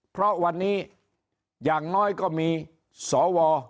เพราะวันนี้อย่างน้อยก็มีสว